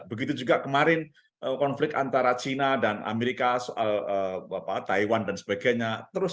begitu juga kemarin konflik antara cina dan amerika soal taiwan dan sebagainya